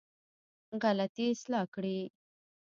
غلطي اصلاح کړې.